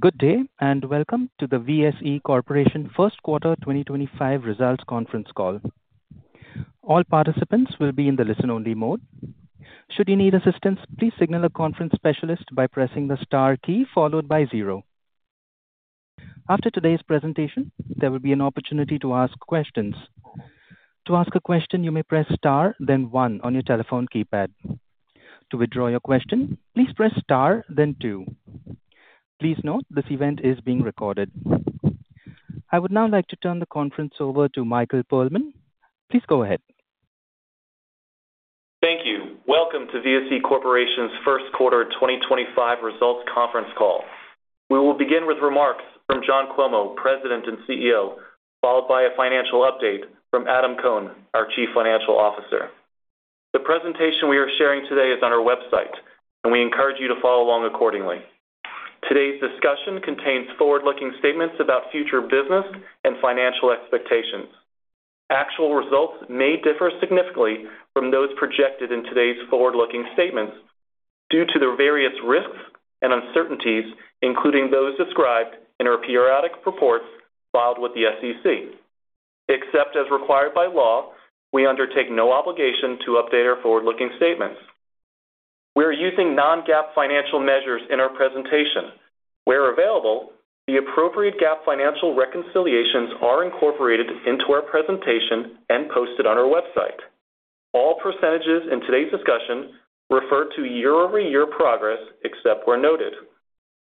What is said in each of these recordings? Good day, and welcome to the VSE Corporation first quarter 2025 results conference call. All participants will be in the listen-only mode. Should you need assistance, please signal a conference specialist by pressing the star key followed by zero. After today's presentation, there will be an opportunity to ask questions. To ask a question, you may press star, then one, on your telephone keypad. To withdraw your question, please press star, then two. Please note this event is being recorded. I would now like to turn the conference over to Michael Perlman. Please go ahead. Thank you. Welcome to VSE Corporation's first quarter 2025 results conference call. We will begin with remarks from John Cuomo, President and CEO, followed by a financial update from Adam Cohn, our Chief Financial Officer. The presentation we are sharing today is on our website, and we encourage you to follow along accordingly. Today's discussion contains forward-looking statements about future business and financial expectations. Actual results may differ significantly from those projected in today's forward-looking statements due to the various risks and uncertainties, including those described in our periodic reports filed with the SEC. Except as required by law, we undertake no obligation to update our forward-looking statements. We are using Non-GAAP financial measures in our presentation. Where available, the appropriate GAAP financial reconciliations are incorporated into our presentation and posted on our website. All percentages in today's discussion refer to year-over-year progress except where noted.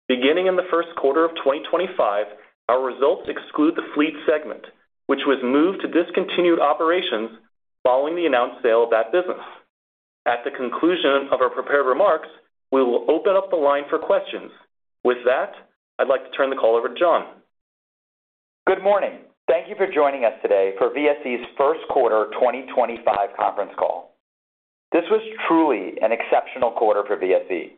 Beginning in the first quarter of 2025, our results exclude the fleet segment, which was moved to discontinued operations following the announced sale of that business. At the conclusion of our prepared remarks, we will open up the line for questions. With that, I'd like to turn the call over to John. Good morning. Thank you for joining us today for VSE's first quarter 2025 conference call. This was truly an exceptional quarter for VSE.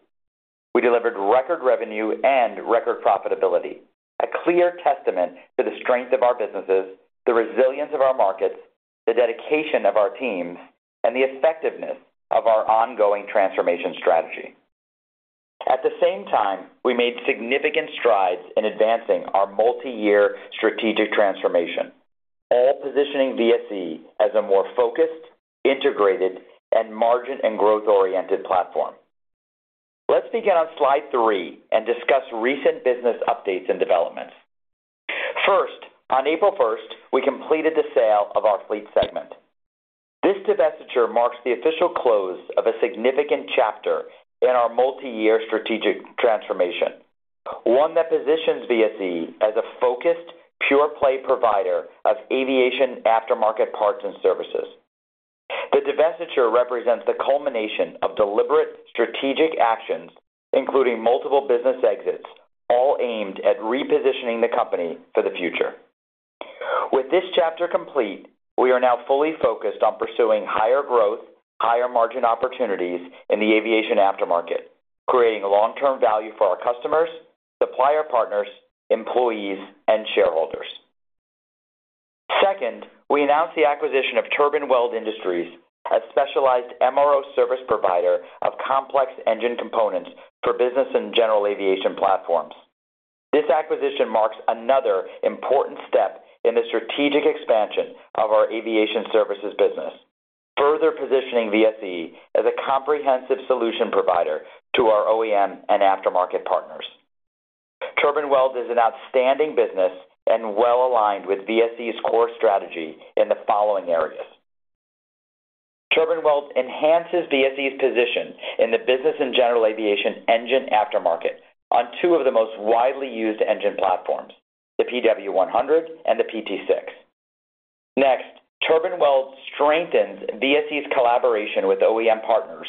We delivered record revenue and record profitability, a clear testament to the strength of our businesses, the resilience of our markets, the dedication of our teams, and the effectiveness of our ongoing transformation strategy. At the same time, we made significant strides in advancing our multi-year strategic transformation, all positioning VSE as a more focused, integrated, and margin-and-growth-oriented platform. Let's begin on slide three and discuss recent business updates and developments. First, on April 1st, we completed the sale of our fleet segment. This divestiture marks the official close of a significant chapter in our multi-year strategic transformation, one that positions VSE as a focused, pure-play provider of aviation aftermarket parts and services. The divestiture represents the culmination of deliberate strategic actions, including multiple business exits, all aimed at repositioning the company for the future. With this chapter complete, we are now fully focused on pursuing higher growth, higher margin opportunities in the aviation aftermarket, creating long-term value for our customers, supplier partners, employees, and shareholders. Second, we announced the acquisition of Turbine Weld Industries, a specialized MRO service provider of complex engine components for business and general aviation platforms. This acquisition marks another important step in the strategic expansion of our aviation services business, further positioning VSE as a comprehensive solution provider to our OEM and aftermarket partners. Turbine Weld is an outstanding business and well-aligned with VSE's core strategy in the following areas. Turbine Weld enhances VSE's position in the business and general aviation engine aftermarket on two of the most widely used engine platforms, the PW100 and the PT6. Next, Turbine Weld strengthens VSE's collaboration with OEM partners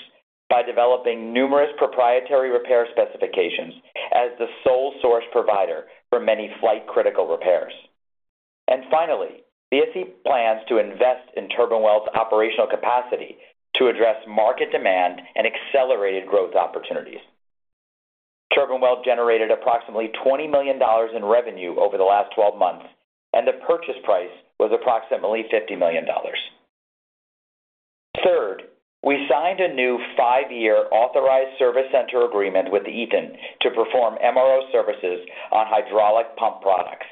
by developing numerous proprietary repair specifications as the sole source provider for many flight-critical repairs. Finally, VSE plans to invest in Turbine Weld's operational capacity to address market demand and accelerated growth opportunities. Turbine Weld generated approximately $20 million in revenue over the last 12 months, and the purchase price was approximately $50 million. Third, we signed a new five-year authorized service center agreement with Eaton to perform MRO services on hydraulic pump products.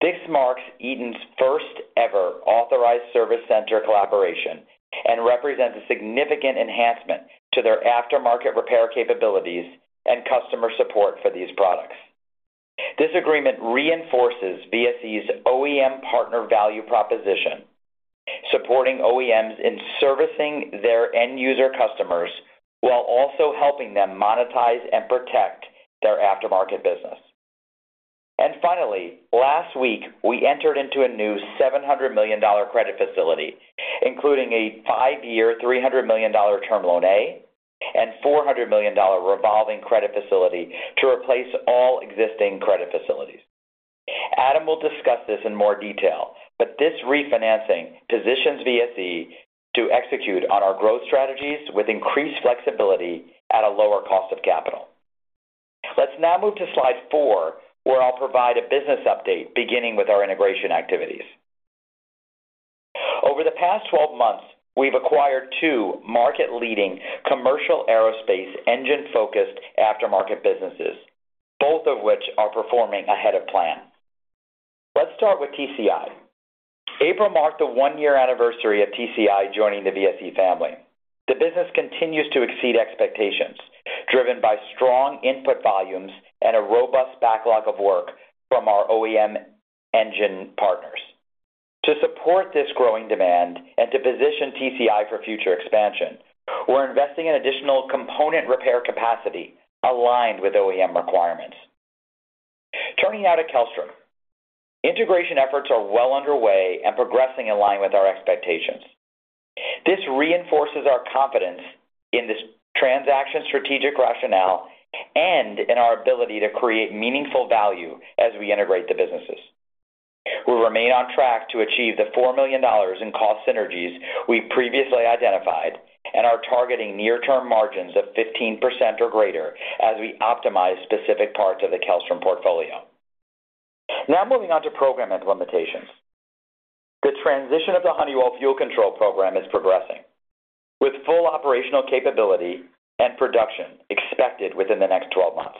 This marks Eaton's first-ever authorized service center collaboration and represents a significant enhancement to their aftermarket repair capabilities and customer support for these products. This agreement reinforces VSE's OEM partner value proposition, supporting OEMs in servicing their end-user customers while also helping them monetize and protect their aftermarket business. Finally, last week, we entered into a new $700 million credit facility, including a five-year $300 million Term Loan A and $400 million revolving credit facility to replace all existing credit facilities. Adam will discuss this in more detail, but this refinancing positions VSE to execute on our growth strategies with increased flexibility at a lower cost of capital. Let's now move to slide four, where I'll provide a business update beginning with our integration activities. Over the past 12 months, we've acquired two market-leading commercial aerospace engine-focused aftermarket businesses, both of which are performing ahead of plan. Let's start with TCI. April marked the one-year anniversary of TCI joining the VSE family. The business continues to exceed expectations, driven by strong input volumes and a robust backlog of work from our OEM engine partners. To support this growing demand and to position TCI for future expansion, we're investing in additional component repair capacity aligned with OEM requirements. Turning now to Kellstrom. Integration efforts are well underway and progressing in line with our expectations. This reinforces our confidence in this transaction's strategic rationale and in our ability to create meaningful value as we integrate the businesses. We remain on track to achieve the $4 million in cost synergies we previously identified and are targeting near-term margins of 15% or greater as we optimize specific parts of the Kellstrom portfolio. Now moving on to program implementations. The transition of the Honeywell Fuel Control program is progressing, with full operational capability and production expected within the next 12 months.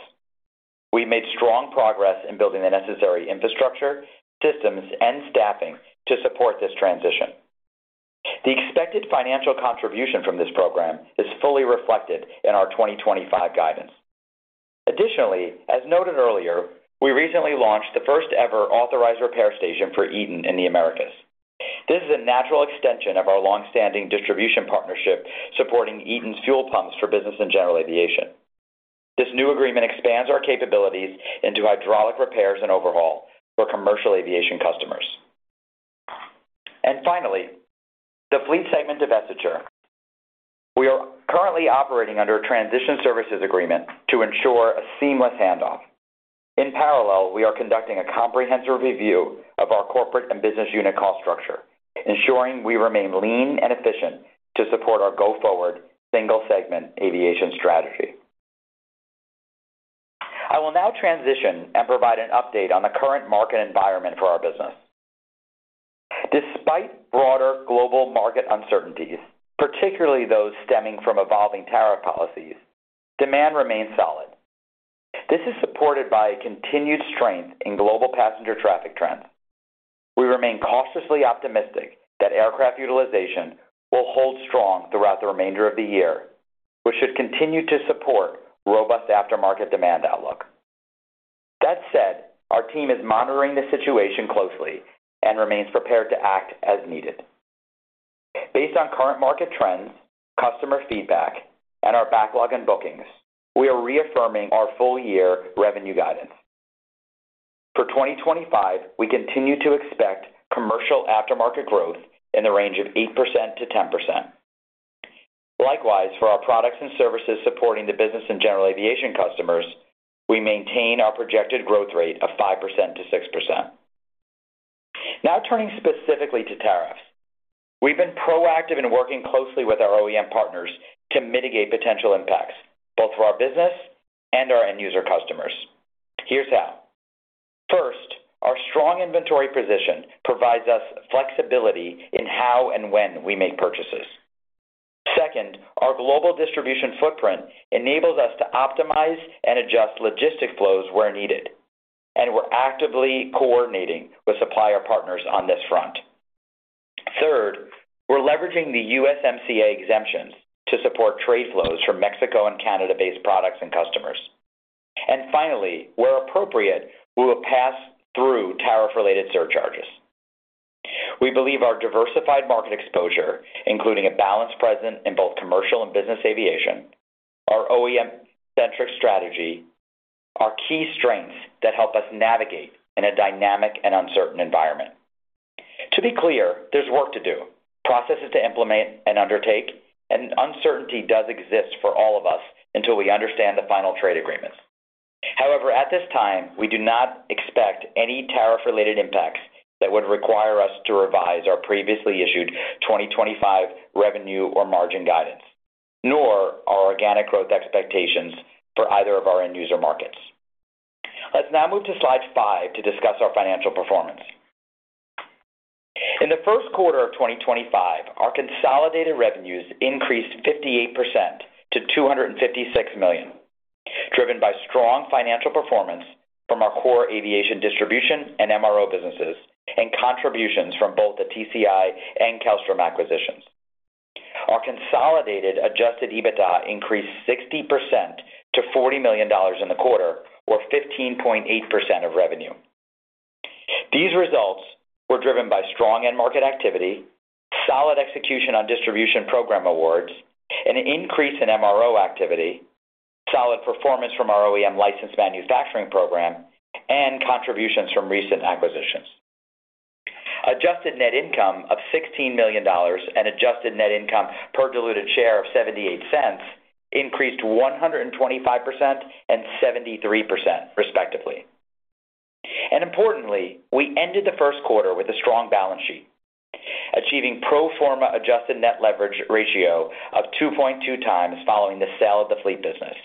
We've made strong progress in building the necessary infrastructure, systems, and staffing to support this transition. The expected financial contribution from this program is fully reflected in our 2025 guidance. Additionally, as noted earlier, we recently launched the first-ever authorized repair station for Eaton in the Americas. This is a natural extension of our long-standing distribution partnership supporting Eaton's fuel pumps for business and general aviation. This new agreement expands our capabilities into hydraulic repairs and overhaul for commercial aviation customers. Finally, the fleet segment divestiture. We are currently operating under a transition services agreement to ensure a seamless handoff. In parallel, we are conducting a comprehensive review of our corporate and business unit cost structure, ensuring we remain lean and efficient to support our go-forward single-segment aviation strategy. I will now transition and provide an update on the current market environment for our business. Despite broader global market uncertainties, particularly those stemming from evolving tariff policies, demand remains solid. This is supported by a continued strength in global passenger traffic trends. We remain cautiously optimistic that aircraft utilization will hold strong throughout the remainder of the year, which should continue to support robust aftermarket demand outlook. That said, our team is monitoring the situation closely and remains prepared to act as needed. Based on current market trends, customer feedback, and our backlog and bookings, we are reaffirming our full-year revenue guidance. For 2025, we continue to expect commercial aftermarket growth in the range of 8%-10%. Likewise, for our products and services supporting the business and general aviation customers, we maintain our projected growth rate of 5%-6%. Now turning specifically to tariffs. We've been proactive in working closely with our OEM partners to mitigate potential impacts, both for our business and our end-user customers. Here's how. First, our strong inventory position provides us flexibility in how and when we make purchases. Second, our global distribution footprint enables us to optimize and adjust logistic flows where needed, and we're actively coordinating with supplier partners on this front. Third, we're leveraging the USMCA exemptions to support trade flows for Mexico and Canada-based products and customers. Finally, where appropriate, we will pass through tariff-related surcharges. We believe our diversified market exposure, including a balanced presence in both commercial and business aviation, and our OEM-centric strategy, are key strengths that help us navigate in a dynamic and uncertain environment. To be clear, there's work to do, processes to implement and undertake, and uncertainty does exist for all of us until we understand the final trade agreements. However, at this time, we do not expect any tariff-related impacts that would require us to revise our previously issued 2025 revenue or margin guidance, nor our organic growth expectations for either of our end-user markets. Let's now move to slide five to discuss our financial performance. In the first quarter of 2025, our consolidated revenues increased 58% to $256 million, driven by strong financial performance from our core aviation distribution and MRO businesses and contributions from both the TCI and Kellstrom acquisitions. Our consolidated adjusted EBITDA increased 60% to $40 million in the quarter, or 15.8% of revenue. These results were driven by strong end-market activity, solid execution on distribution program awards, an increase in MRO activity, solid performance from our OEM licensed manufacturing program, and contributions from recent acquisitions. Adjusted net income of $16 million and adjusted net income per diluted share of $0.78 increased 125% and 73%, respectively. Importantly, we ended the first quarter with a strong balance sheet, achieving pro forma adjusted net leverage ratio of 2.2x following the sale of the fleet business,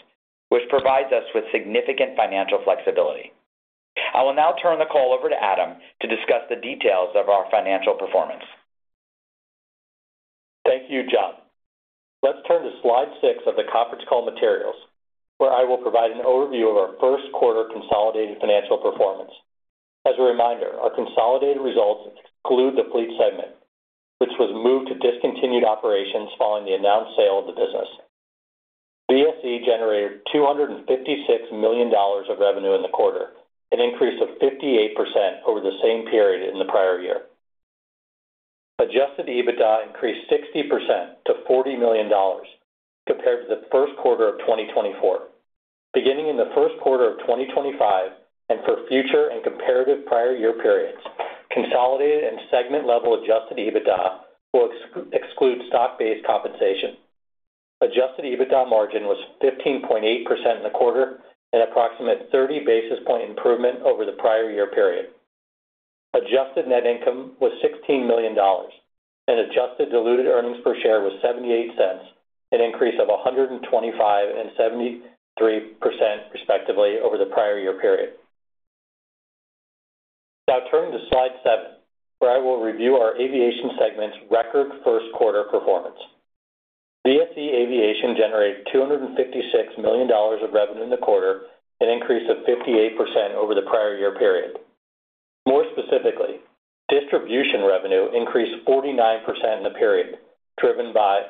which provides us with significant financial flexibility. I will now turn the call over to Adam to discuss the details of our financial performance. Thank you, John. Let's turn to slide six of the conference call materials, where I will provide an overview of our first quarter consolidated financial performance. As a reminder, our consolidated results exclude the fleet segment, which was moved to discontinued operations following the announced sale of the business. VSE generated $256 million of revenue in the quarter, an increase of 58% over the same period in the prior year. Adjusted EBITDA increased 60% to $40 million compared to the first quarter of 2024. Beginning in the first quarter of 2025 and for future and comparative prior year periods, consolidated and segment-level adjusted EBITDA will exclude stock-based compensation. Adjusted EBITDA margin was 15.8% in the quarter, an approximate 30 basis point improvement over the prior year period. Adjusted net income was $16 million, and adjusted diluted earnings per share was $0.78, an increase of 125% and 73%, respectively, over the prior year period. Now turning to slide seven, where I will review our aviation segment's record first quarter performance. VSE aviation generated $256 million of revenue in the quarter, an increase of 58% over the prior year period. More specifically, distribution revenue increased 49% in the period, driven by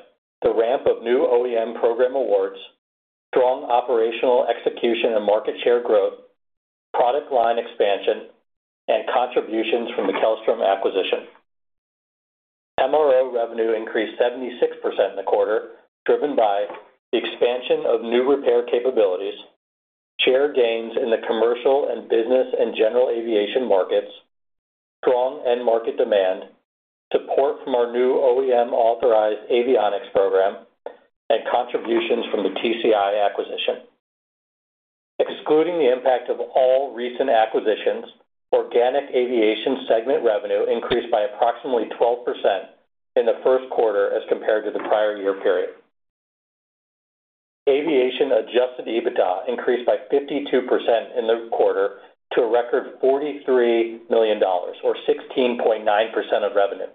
the ramp of new OEM program awards, strong operational execution and market share growth, product line expansion, and contributions from the Kellstrom acquisition. MRO revenue increased 76% in the quarter, driven by the expansion of new repair capabilities, share gains in the commercial and business and general aviation markets, strong end-market demand, support from our new OEM authorized avionics program, and contributions from the TCI acquisition. Excluding the impact of all recent acquisitions, organic aviation segment revenue increased by approximately 12% in the first quarter as compared to the prior year period. Aviation adjusted EBITDA increased by 52% in the quarter to a record $43 million, or 16.9% of revenue.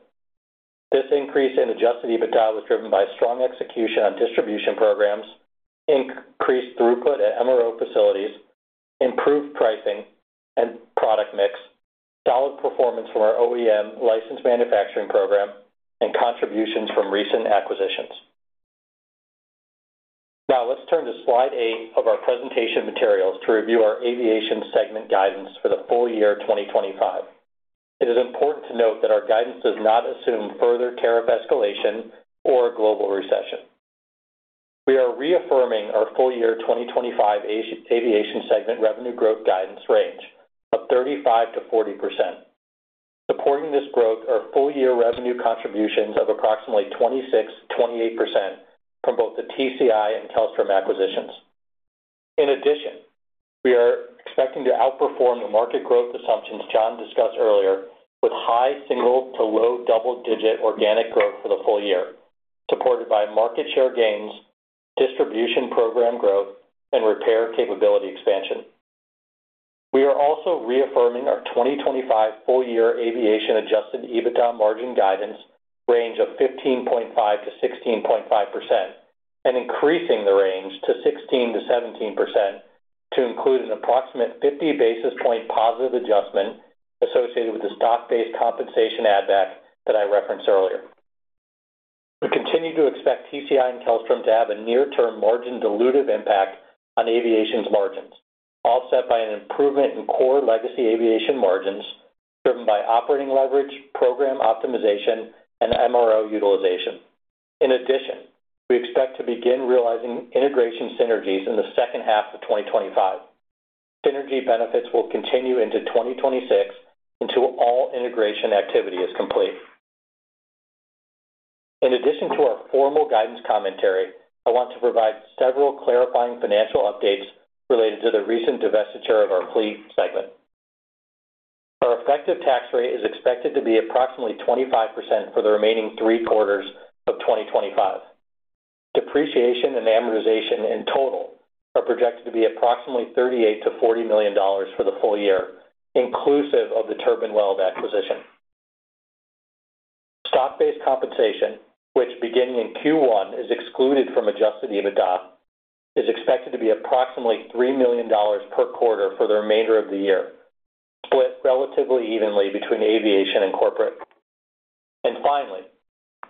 This increase in adjusted EBITDA was driven by strong execution on distribution programs, increased throughput at MRO facilities, improved pricing and product mix, solid performance from our OEM licensed manufacturing program, and contributions from recent acquisitions. Now let's turn to slide eight of our presentation materials to review our aviation segment guidance for the full year 2025. It is important to note that our guidance does not assume further tariff escalation or a global recession. We are reaffirming our full year 2025 aviation segment revenue growth guidance range of 35%-40%. Supporting this growth are full-year revenue contributions of approximately 26%-28% from both the TCI and Kellstrom acquisitions. In addition, we are expecting to outperform the market growth assumptions John discussed earlier, with high single to low double-digit organic growth for the full year, supported by market share gains, distribution program growth, and repair capability expansion. We are also reaffirming our 2025 full-year aviation adjusted EBITDA margin guidance range of 15.5%-16.5% and increasing the range to 16%-17% to include an approximate 50 basis point positive adjustment associated with the stock-based compensation add-back that I referenced earlier. We continue to expect TCI and Kellstrom to have a near-term margin-dilutive impact on aviation's margins, offset by an improvement in core legacy aviation margins driven by operating leverage, program optimization, and MRO utilization. In addition, we expect to begin realizing integration synergies in the second half of 2025. Synergy benefits will continue into 2026 until all integration activity is complete. In addition to our formal guidance commentary, I want to provide several clarifying financial updates related to the recent divestiture of our fleet segment. Our effective tax rate is expected to be approximately 25% for the remaining three quarters of 2025. Depreciation and amortization in total are projected to be approximately $38 million-$40 million for the full year, inclusive of the Turbine Weld acquisition. Stock-based compensation, which beginning in Q1 is excluded from adjusted EBITDA, is expected to be approximately $3 million per quarter for the remainder of the year, split relatively evenly between aviation and corporate. Finally,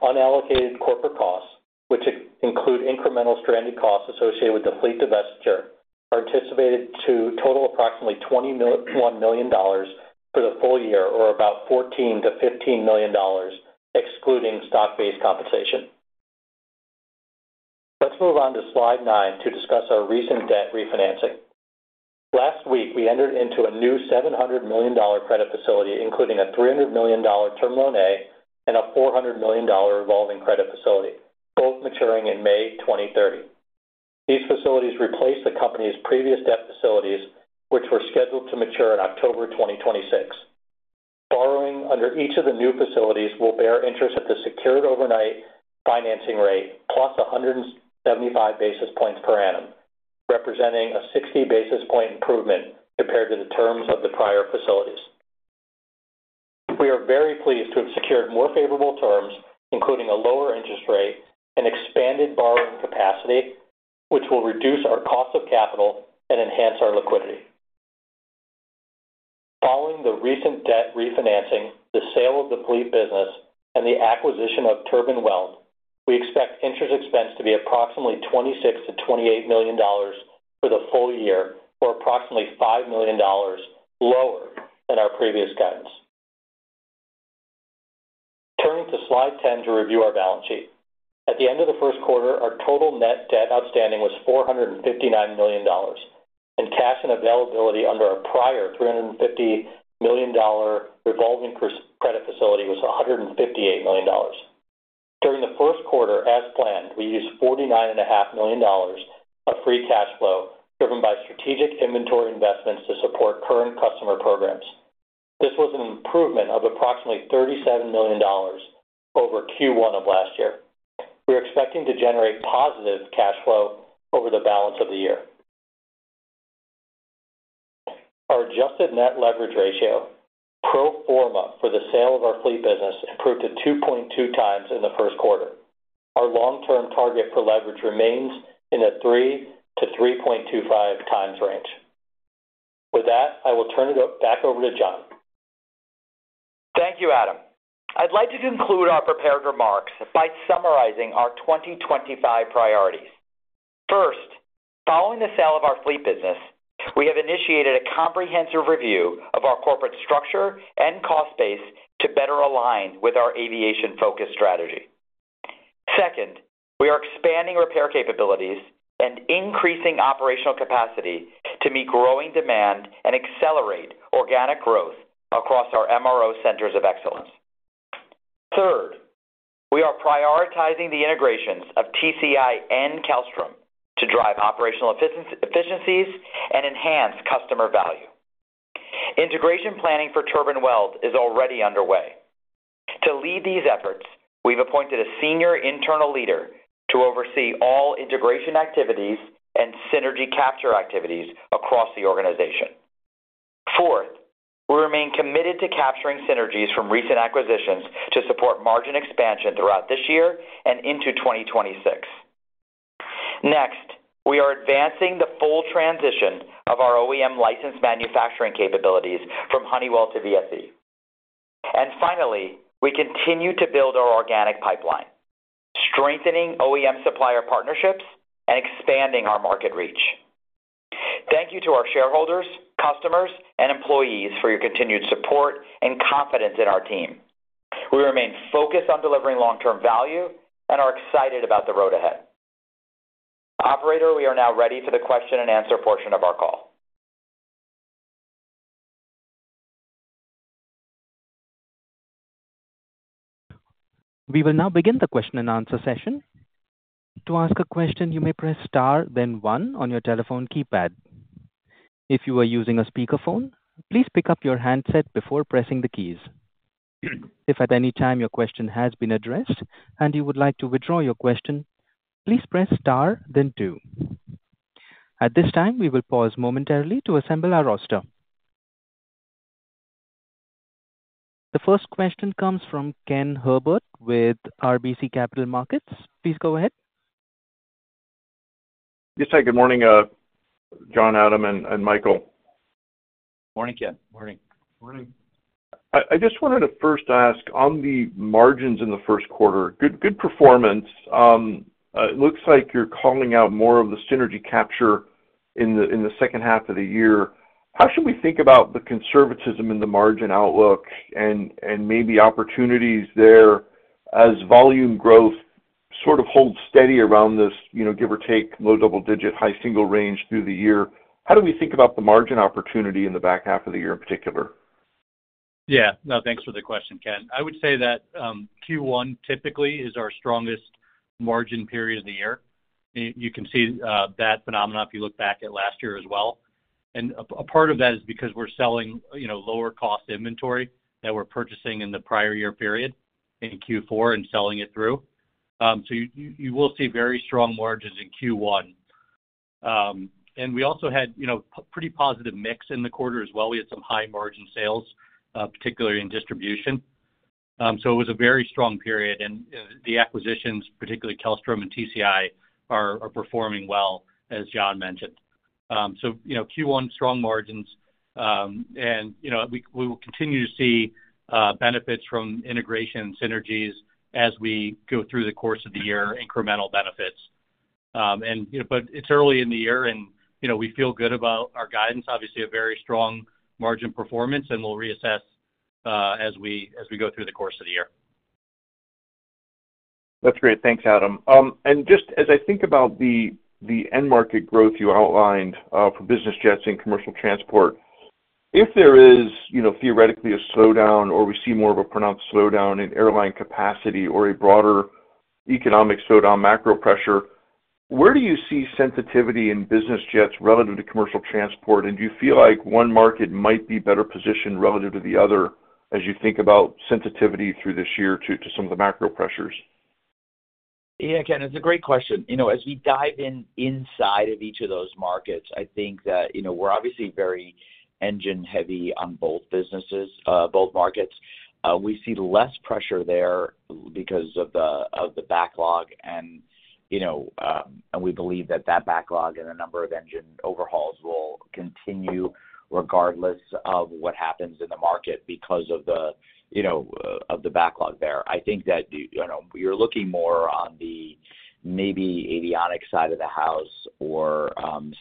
unallocated corporate costs, which include incremental stranded costs associated with the fleet divestiture, are anticipated to total approximately $21 million for the full year, or about $14 million-$15 million, excluding stock-based compensation. Let's move on to slide nine to discuss our recent debt refinancing. Last week, we entered into a new $700 million credit facility, including a $300 million Term Loan A and a $400 million revolving credit facility, both maturing in May 2030. These facilities replaced the company's previous debt facilities, which were scheduled to mature in October 2026. Borrowing under each of the new facilities will bear interest at the secured overnight financing rate, +175 basis points per annum, representing a 60 basis point improvement compared to the terms of the prior facilities. We are very pleased to have secured more favorable terms, including a lower interest rate and expanded borrowing capacity, which will reduce our cost of capital and enhance our liquidity. Following the recent debt refinancing, the sale of the fleet business, and the acquisition of Turbine Weld, we expect interest expense to be approximately $26 million-$28 million for the full year, or approximately $5 million lower than our previous guidance. Turning to slide 10 to review our balance sheet. At the end of the first quarter, our total net debt outstanding was $459 million, and cash and availability under our prior $350 million revolving credit facility was $158 million. During the first quarter, as planned, we used $49.5 million of free cash flow driven by strategic inventory investments to support current customer programs. This was an improvement of approximately $37 million over Q1 of last year. We are expecting to generate positive cash flow over the balance of the year. Our adjusted net leverage ratio, pro forma for the sale of our fleet business, improved to 2.2x in the first quarter. Our long-term target for leverage remains in the 3-3.25x range. With that, I will turn it back over to John. Thank you, Adam. I'd like to conclude our prepared remarks by summarizing our 2025 priorities. First, following the sale of our fleet business, we have initiated a comprehensive review of our corporate structure and cost base to better align with our aviation-focused strategy. Second, we are expanding repair capabilities and increasing operational capacity to meet growing demand and accelerate organic growth across our MRO centers of excellence. Third, we are prioritizing the integrations of TCI and Kellstrom to drive operational efficiencies and enhance customer value. Integration planning for Turbine Weld is already underway. To lead these efforts, we've appointed a senior internal leader to oversee all integration activities and synergy capture activities across the organization. Fourth, we remain committed to capturing synergies from recent acquisitions to support margin expansion throughout this year and into 2026. Next, we are advancing the full transition of our OEM licensed manufacturing capabilities from Honeywell to VSE. Finally, we continue to build our organic pipeline, strengthening OEM supplier partnerships and expanding our market reach. Thank you to our shareholders, customers, and employees for your continued support and confidence in our team. We remain focused on delivering long-term value and are excited about the road ahead. Operator, we are now ready for the question-and-answer portion of our call. We will now begin the question-and-answer session. To ask a question, you may press star, then one on your telephone keypad. If you are using a speakerphone, please pick up your handset before pressing the keys. If at any time your question has been addressed and you would like to withdraw your question, please press star, then two. At this time, we will pause momentarily to assemble our roster. The first question comes from Ken Herbert with RBC Capital Markets. Please go ahead. Yes, hi. Good morning, John, Adam, and Michael. Morning, Ken. Morning. Morning. I just wanted to first ask, on the margins in the first quarter, good performance. It looks like you're calling out more of the synergy capture in the second half of the year. How should we think about the conservatism in the margin outlook and maybe opportunities there as volume growth sort of holds steady around this, give or take, low double-digit, high single range through the year? How do we think about the margin opportunity in the back half of the year in particular? Yeah. No, thanks for the question, Ken. I would say that Q1 typically is our strongest margin period of the year. You can see that phenomenon if you look back at last year as well. A part of that is because we are selling lower-cost inventory that we are purchasing in the prior year period in Q4 and selling it through. You will see very strong margins in Q1. We also had a pretty positive mix in the quarter as well. We had some high-margin sales, particularly in distribution. It was a very strong period. The acquisitions, particularly Kellstrom and TCI, are performing well, as John mentioned. Q1, strong margins. We will continue to see benefits from integration synergies as we go through the course of the year, incremental benefits. It is early in the year, and we feel good about our guidance. Obviously, a very strong margin performance, and we'll reassess as we go through the course of the year. That's great. Thanks, Adam. Just as I think about the end-market growth you outlined for business jets and commercial transport, if there is theoretically a slowdown or we see more of a pronounced slowdown in airline capacity or a broader economic slowdown, macro pressure, where do you see sensitivity in business jets relative to commercial transport? Do you feel like one market might be better positioned relative to the other as you think about sensitivity through this year to some of the macro pressures? Yeah, Ken, it's a great question. As we dive in inside of each of those markets, I think that we're obviously very engine-heavy on both businesses, both markets. We see less pressure there because of the backlog. We believe that that backlog and a number of engine overhauls will continue regardless of what happens in the market because of the backlog there. I think that you're looking more on the maybe avionics side of the house or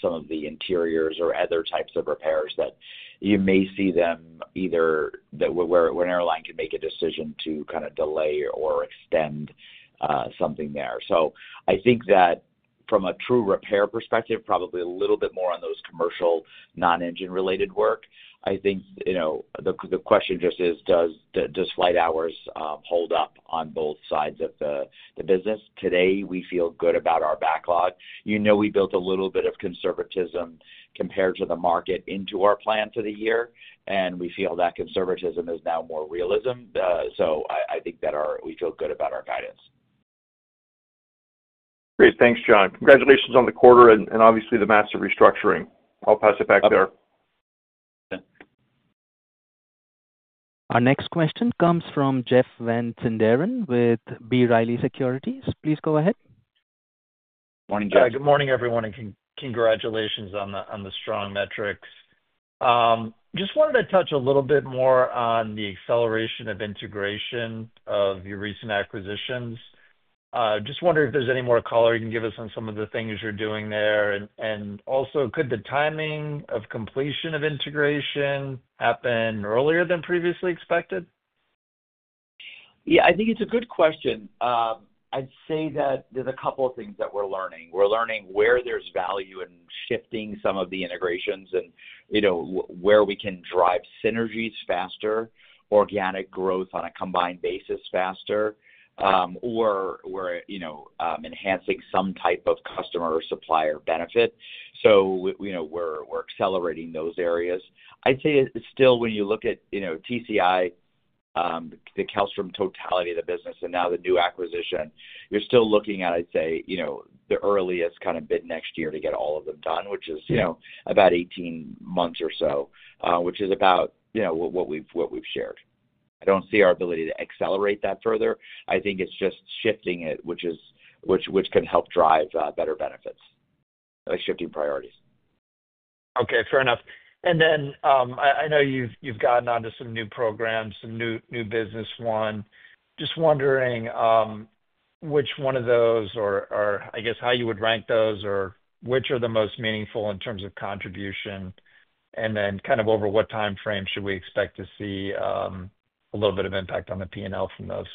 some of the interiors or other types of repairs that you may see them either where an airline can make a decision to kind of delay or extend something there. I think that from a true repair perspective, probably a little bit more on those commercial non-engine-related work. I think the question just is, does flight hours hold up on both sides of the business? Today, we feel good about our backlog. We built a little bit of conservatism compared to the market into our plan for the year. We feel that conservatism is now more realism. I think that we feel good about our guidance. Great. Thanks, John. Congratulations on the quarter and obviously the massive restructuring. I'll pass it back there. Our next question comes from Jeff Van Sinderen with B. Riley Securities. Please go ahead. Good morning, Jeff. Yeah, good morning, everyone. Congratulations on the strong metrics. Just wanted to touch a little bit more on the acceleration of integration of your recent acquisitions. Just wondering if there's any more color you can give us on some of the things you're doing there. Also, could the timing of completion of integration happen earlier than previously expected? Yeah, I think it's a good question. I'd say that there's a couple of things that we're learning. We're learning where there's value in shifting some of the integrations and where we can drive synergies faster, organic growth on a combined basis faster, or we're enhancing some type of customer or supplier benefit. So we're accelerating those areas. I'd say still, when you look at TCI, the Kellstrom totality of the business, and now the new acquisition, you're still looking at, I'd say, the earliest kind of bid next year to get all of them done, which is about 18 months or so, which is about what we've shared. I don't see our ability to accelerate that further. I think it's just shifting it, which can help drive better benefits, like shifting priorities. Okay. Fair enough. I know you've gotten onto some new programs, some new business one. Just wondering which one of those, or I guess how you would rank those, or which are the most meaningful in terms of contribution, and then kind of over what time frame should we expect to see a little bit of impact on the P&L from those?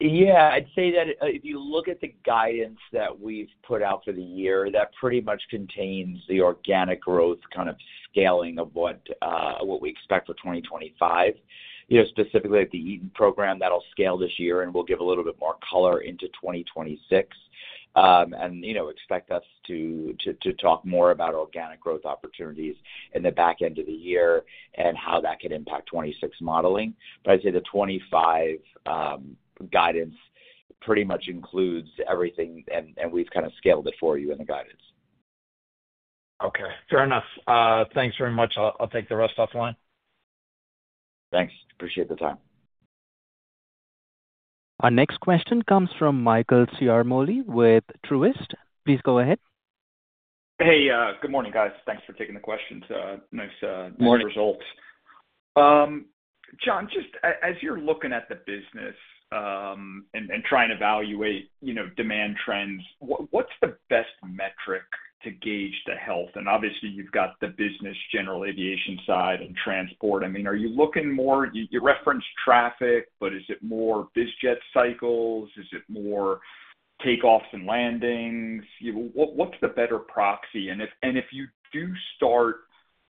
Yeah. I'd say that if you look at the guidance that we've put out for the year, that pretty much contains the organic growth kind of scaling of what we expect for 2025. Specifically, at the Eaton program, that'll scale this year, and we'll give a little bit more color into 2026 and expect us to talk more about organic growth opportunities in the back end of the year and how that could impact 2026 modeling. I'd say the 2025 guidance pretty much includes everything, and we've kind of scaled it for you in the guidance. Okay. Fair enough. Thanks very much. I'll take the rest offline. Thanks. Appreciate the time. Our next question comes from Michael Ciarmoli with Truist. Please go ahead. Hey, good morning, guys. Thanks for taking the question. Nice results. John, just as you're looking at the business and trying to evaluate demand trends, what's the best metric to gauge the health? Obviously, you've got the business, general aviation side and transport. I mean, are you looking more—you referenced traffic, but is it more biz jet cycles? Is it more takeoffs and landings? What's the better proxy? If you do start,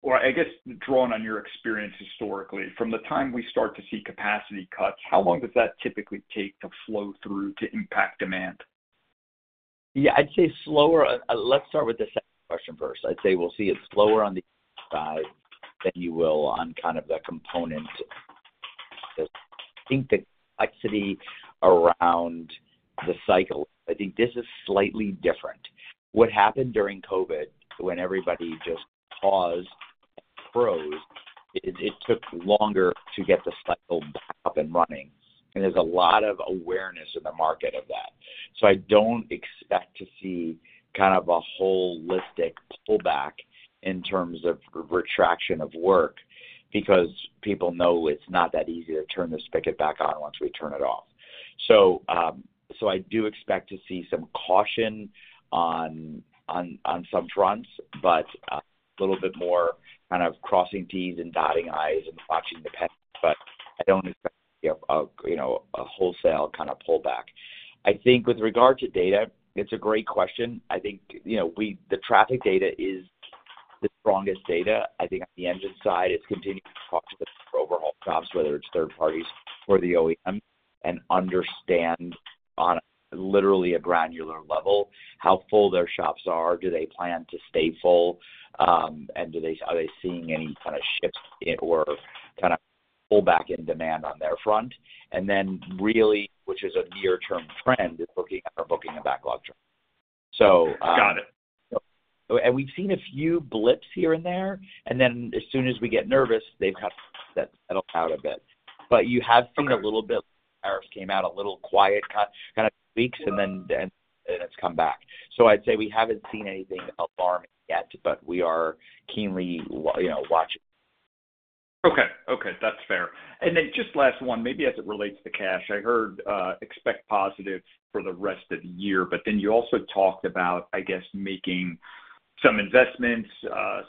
or I guess drawing on your experience historically, from the time we start to see capacity cuts, how long does that typically take to flow through to impact demand? Yeah, I'd say slower. Let's start with the second question first. I'd say we'll see it slower on the side, then you will on kind of the components. I think the complexity around the cycle, I think this is slightly different. What happened during COVID when everybody just paused and froze, it took longer to get the cycle back up and running. There is a lot of awareness in the market of that. I do not expect to see kind of a holistic pullback in terms of retraction of work because people know it's not that easy to turn this spigot back on once we turn it off. I do expect to see some caution on some fronts, but a little bit more kind of crossing T's and dotting I's and watching the pen. I do not expect a wholesale kind of pullback. I think with regard to data, it's a great question. I think the traffic data is the strongest data. I think on the engine side, it's continuing to talk to the overall shops, whether it's third parties or the OEM, and understand on literally a granular level how full their shops are. Do they plan to stay full? Are they seeing any kind of shifts or kind of pullback in demand on their front? Really, which is a near-term trend, it's looking at our booking and backlog trend. Got it. We have seen a few blips here and there. As soon as we get nervous, they have kind of settled out a bit. You have seen a little bit of tariffs came out, a little quiet kind of weeks, and then it has come back. I would say we have not seen anything alarming yet, but we are keenly watching. Okay. Okay. That's fair. And then just last one, maybe as it relates to cash, I heard expect positive for the rest of the year. But then you also talked about, I guess, making some investments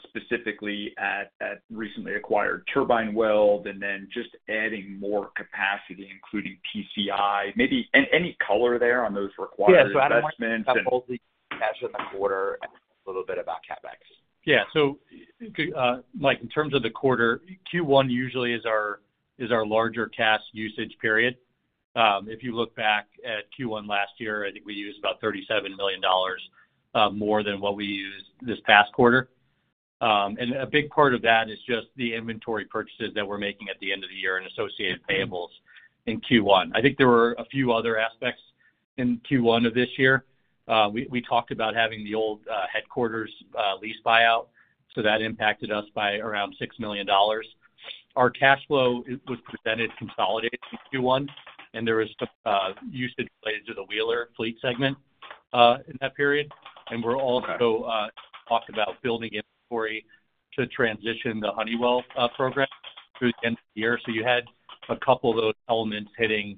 specifically at recently acquired Turbine Weld and then just adding more capacity, including TCI. Any color there on those required investments? Yeah. So Adam has a couple of things to cash in the quarter and a little bit about CapEx. Yeah. So Mike, in terms of the quarter, Q1 usually is our larger cash usage period. If you look back at Q1 last year, I think we used about $37 million more than what we used this past quarter. A big part of that is just the inventory purchases that we're making at the end of the year and associated payables in Q1. I think there were a few other aspects in Q1 of this year. We talked about having the old headquarters lease buyout. That impacted us by around $6 million. Our cash flow was presented consolidated in Q1, and there was some usage related to the Wheeler fleet segment in that period. We're also talking about building inventory to transition the Honeywell program through the end of the year. You had a couple of those elements hitting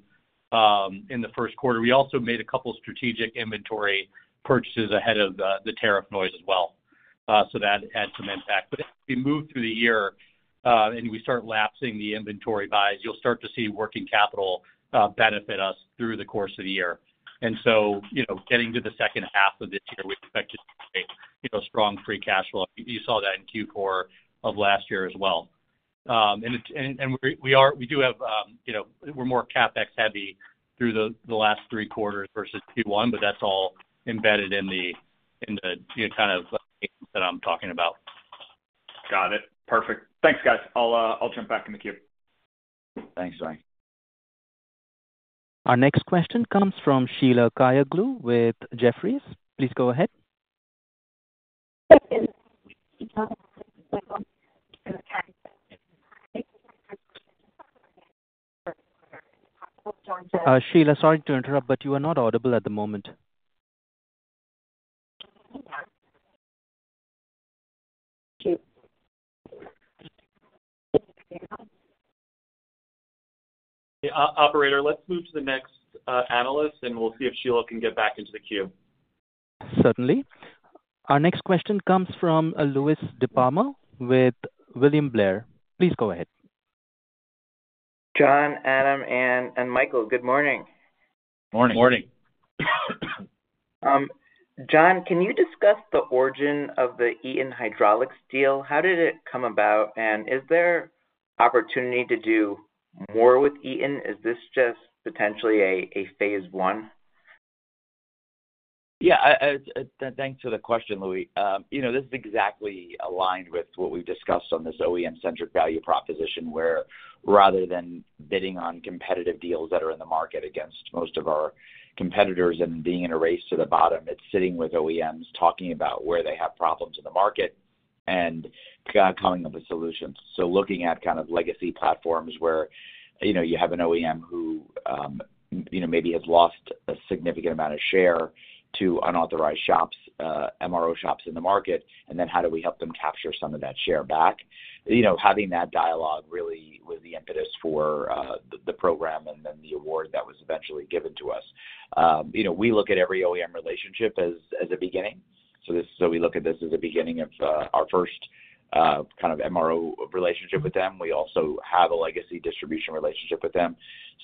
in the first quarter. We also made a couple of strategic inventory purchases ahead of the tariff noise as well. That had some impact. As we move through the year and we start lapsing the inventory bias, you'll start to see working capital benefit us through the course of the year. Getting to the second half of this year, we expect to see a strong free cash flow. You saw that in Q4 of last year as well. We are more CapEx heavy through the last three quarters versus Q1, but that's all embedded in the kind of gain that I'm talking about. Got it. Perfect. Thanks, guys. I'll jump back in the queue. Thanks. Our next question comes from Sheila Kayaglu with Jefferies. Please go ahead. Sheila, sorry to interrupt, but you are not audible at the moment. Operator, let's move to the next analyst, and we'll see if Sheila can get back into the queue. Certainly. Our next question comes from Louie DiPalma with William Blair. Please go ahead. John, Adam, and Michael. Good morning. Good morning. Good morning. John, can you discuss the origin of the Eaton Hydraulics deal? How did it come about? Is there opportunity to do more with Eaton? Is this just potentially a phase one? Yeah. Thanks for the question, Louie. This is exactly aligned with what we've discussed on this OEM-centric value proposition, where rather than bidding on competitive deals that are in the market against most of our competitors and being in a race to the bottom, it's sitting with OEMs talking about where they have problems in the market and coming up with solutions. Looking at kind of legacy platforms where you have an OEM who maybe has lost a significant amount of share to unauthorized shops, MRO shops in the market, and then how do we help them capture some of that share back? Having that dialogue really was the impetus for the program and then the award that was eventually given to us. We look at every OEM relationship as a beginning. We look at this as a beginning of our first kind of MRO relationship with them. We also have a legacy distribution relationship with them.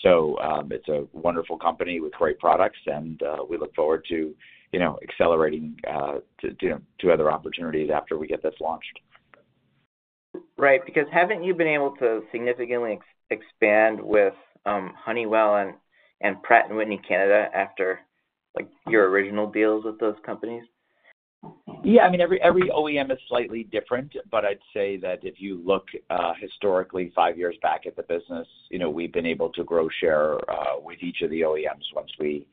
It is a wonderful company with great products, and we look forward to accelerating to other opportunities after we get this launched. Right. Because haven't you been able to significantly expand with Honeywell and Pratt & Whitney Canada after your original deals with those companies? Yeah. I mean, every OEM is slightly different, but I'd say that if you look historically five years back at the business, we've been able to grow share with each of the OEMs once we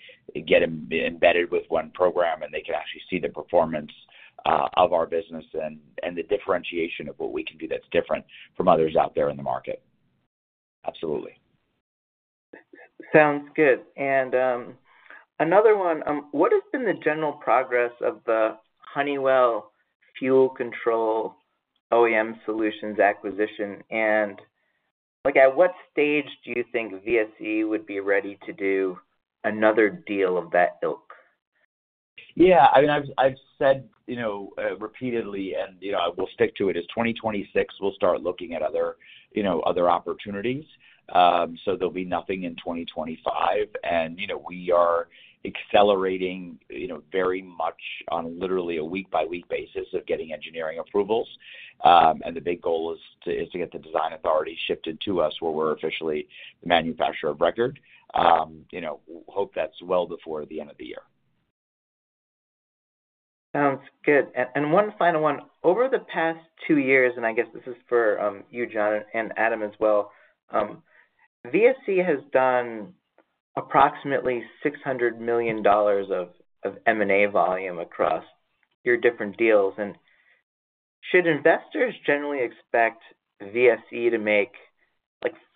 get embedded with one program, and they can actually see the performance of our business and the differentiation of what we can do that's different from others out there in the market. Absolutely. Sounds good. Another one, what has been the general progress of the Honeywell Fuel Control OEM solutions acquisition? At what stage do you think VSE would be ready to do another deal of that ilk? Yeah. I mean, I've said repeatedly, and I will stick to it, is 2026, we'll start looking at other opportunities. There'll be nothing in 2025. We are accelerating very much on literally a week-by-week basis of getting engineering approvals. The big goal is to get the design authority shifted to us where we're officially the manufacturer of record. We hope that's well before the end of the year. Sounds good. One final one. Over the past two years, and I guess this is for you, John, and Adam as well, VSE has done approximately $600 million of M&A volume across your different deals. Should investors generally expect VSE to make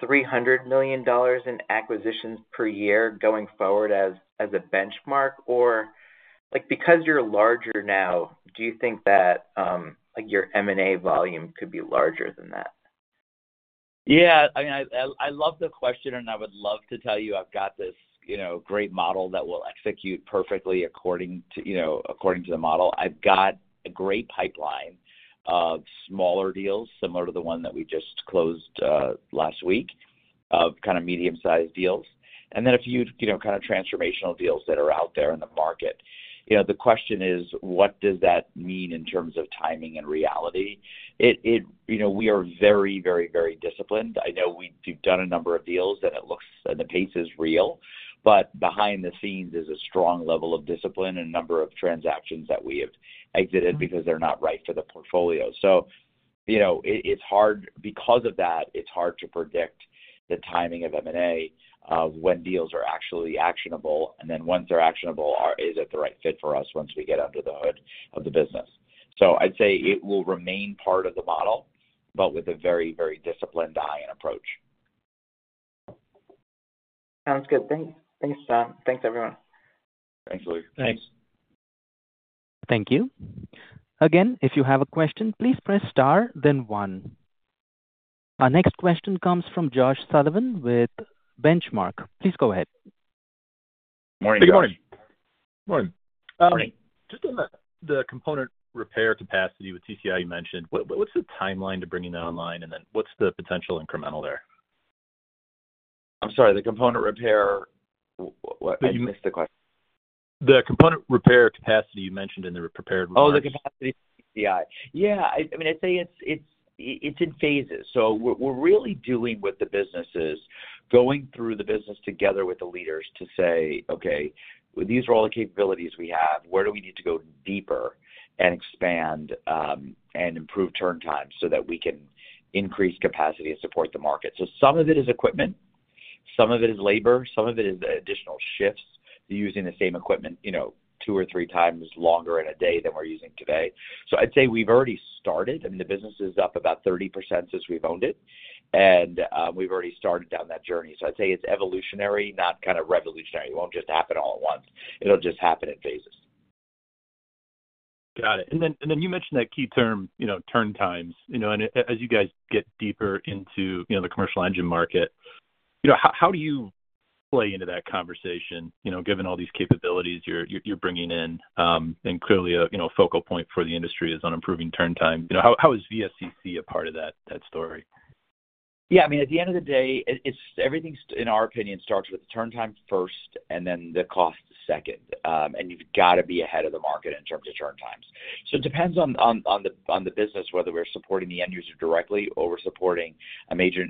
$300 million in acquisitions per year going forward as a benchmark? Or because you're larger now, do you think that your M&A volume could be larger than that? Yeah. I mean, I love the question, and I would love to tell you I've got this great model that will execute perfectly according to the model. I've got a great pipeline of smaller deals similar to the one that we just closed last week of kind of medium-sized deals, and then a few kind of transformational deals that are out there in the market. The question is, what does that mean in terms of timing and reality? We are very, very, very disciplined. I know we've done a number of deals, and it looks like the pace is real. Behind the scenes is a strong level of discipline and a number of transactions that we have exited because they're not right for the portfolio. Because of that, it's hard to predict the timing of M&A, of when deals are actually actionable, and then once they're actionable, is it the right fit for us once we get under the hood of the business? I'd say it will remain part of the model, but with a very, very disciplined eye and approach. Sounds good. Thanks, John. Thanks, everyone. Thanks, Louie. Thanks. Thank you. Again, if you have a question, please press star, then one. Our next question comes from Josh Sullivan with Benchmark. Please go ahead. Good morning, guys. Good morning. Good morning. Morning. Just on the component repair capacity with TCI you mentioned, what's the timeline to bringing that online, and then what's the potential incremental there? I'm sorry. The component repair? You missed the question. The component repair capacity you mentioned in the prepared repair. Oh, the capacity for TCI. Yeah. I mean, I'd say it's in phases. What we're really doing with the business is going through the business together with the leaders to say, "Okay, these are all the capabilities we have. Where do we need to go deeper and expand and improve turntime so that we can increase capacity and support the market?" Some of it is equipment. Some of it is labor. Some of it is additional shifts. They're using the same equipment two or three times longer in a day than we're using today. I'd say we've already started. I mean, the business is up about 30% since we've owned it, and we've already started down that journey. I'd say it's evolutionary, not kind of revolutionary. It won't just happen all at once. It'll just happen in phases. Got it. You mentioned that key term, turntimes. As you guys get deeper into the commercial engine market, how do you play into that conversation given all these capabilities you're bringing in? Clearly, a focal point for the industry is on improving turntime. How is VSE a part of that story? Yeah. I mean, at the end of the day, everything, in our opinion, starts with the turntime first and then the cost second. You have got to be ahead of the market in terms of turntimes. It depends on the business, whether we are supporting the end user directly or we are supporting a major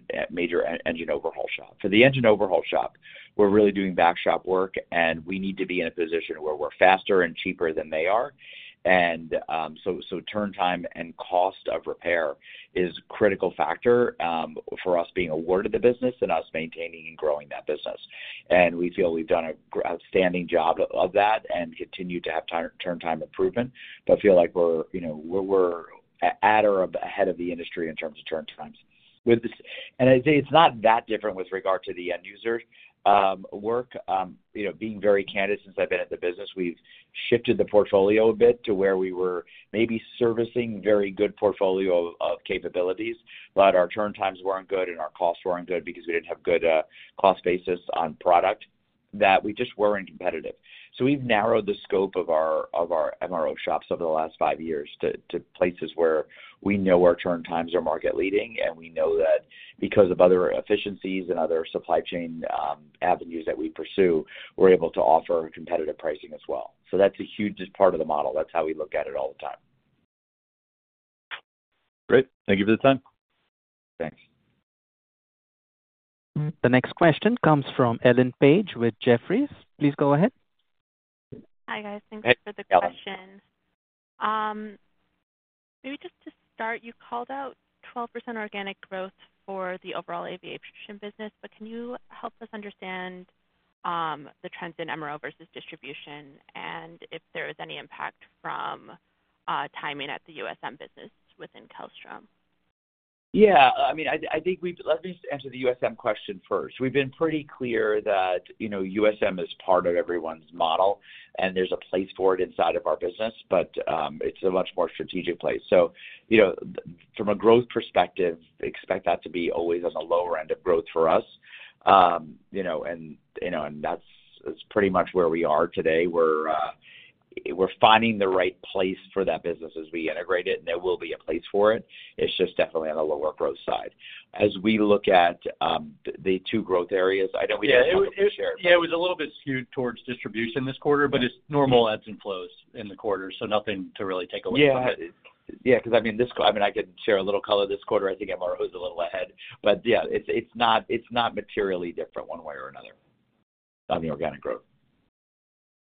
engine overhaul shop. For the engine overhaul shop, we are really doing back shop work, and we need to be in a position where we are faster and cheaper than they are. Turntime and cost of repair is a critical factor for us being awarded the business and us maintaining and growing that business. We feel we have done an outstanding job of that and continue to have turntime improvement, but feel like we are at or ahead of the industry in terms of turntimes. I'd say it's not that different with regard to the end user work. Being very candid, since I've been at the business, we've shifted the portfolio a bit to where we were maybe servicing a very good portfolio of capabilities, but our turntimes weren't good, and our costs weren't good because we didn't have good cost basis on product that we just weren't competitive. We've narrowed the scope of our MRO shops over the last five years to places where we know our turntimes are market-leading, and we know that because of other efficiencies and other supply chain avenues that we pursue, we're able to offer competitive pricing as well. That's a huge part of the model. That's how we look at it all the time. Great. Thank you for the time. Thanks. The next question comes from Ellen Page with Jefferies. Please go ahead. Hi, guys. Thanks for the question. Maybe just to start, you called out 12% organic growth for the overall aviation business, but can you help us understand the trends in MRO versus distribution and if there is any impact from timing at the USM business within Kellstrom? Yeah. I mean, I think we've let me just answer the USM question first. We've been pretty clear that USM is part of everyone's model, and there's a place for it inside of our business, but it's a much more strategic place. From a growth perspective, expect that to be always on the lower end of growth for us. That's pretty much where we are today. We're finding the right place for that business as we integrate it, and there will be a place for it. It's just definitely on the lower growth side. As we look at the two growth areas, I know we didn't have a share. Yeah. It was a little bit skewed towards distribution this quarter, but it's normal ebbs and flows in the quarter, so nothing to really take away from it. Yeah. Because I mean, I can share a little color this quarter. I think MRO is a little ahead. Yeah, it's not materially different one way or another on the organic growth.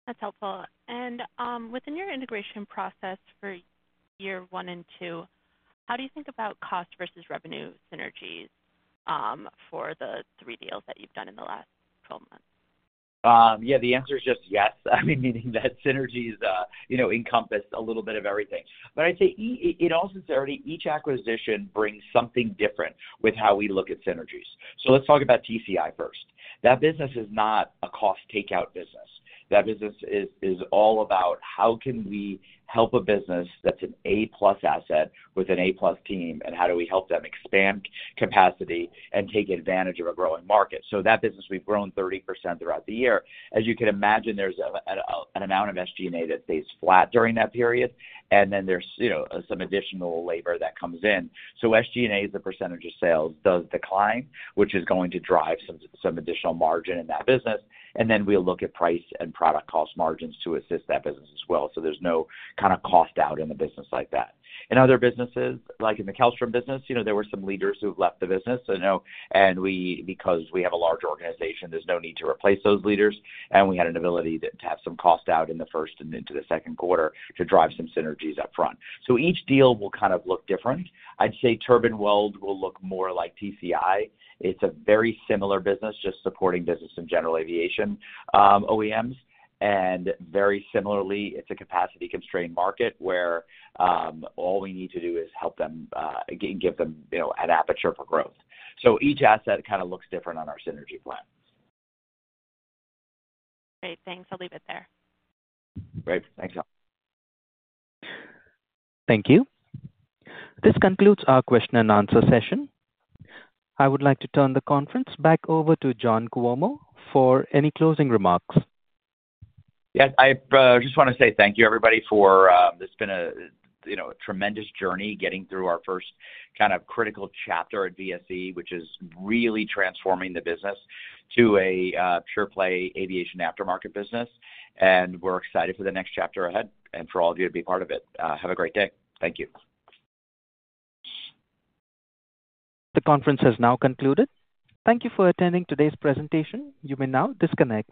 That's helpful. Within your integration process for year one and two, how do you think about cost versus revenue synergies for the three deals that you've done in the last 12 months? Yeah. The answer is just yes. I mean, meaning that synergies encompass a little bit of everything. But I'd say in all sincerity, each acquisition brings something different with how we look at synergies. Let's talk about TCI first. That business is not a cost takeout business. That business is all about how can we help a business that's an A-plus asset with an A-plus team, and how do we help them expand capacity and take advantage of a growing market? That business, we've grown 30% throughout the year. As you can imagine, there's an amount of SG&A that stays flat during that period, and then there's some additional labor that comes in. SG&A is the percentage of sales that decline, which is going to drive some additional margin in that business. We'll look at price and product cost margins to assist that business as well. There's no kind of cost out in the business like that. In other businesses, like in the Kellstrom business, there were some leaders who left the business. Because we have a large organization, there's no need to replace those leaders. We had an ability to have some cost out in the first and into the second quarter to drive some synergies upfront. Each deal will kind of look different. I'd say Turbine Weld will look more like TCI. It's a very similar business, just supporting business and general aviation OEMs. Very similarly, it's a capacity-constrained market where all we need to do is help them and give them an aperture for growth. Each asset kind of looks different on our synergy plan. Great. Thanks. I'll leave it there. Great. Thank you. Thank you. This concludes our question and answer session. I would like to turn the conference back over to John Cuomo for any closing remarks. Yes. I just want to say thank you, everybody, for this has been a tremendous journey getting through our first kind of critical chapter at VSE, which is really transforming the business to a pure-play aviation aftermarket business. We are excited for the next chapter ahead and for all of you to be part of it. Have a great day. Thank you. The conference has now concluded. Thank you for attending today's presentation. You may now disconnect.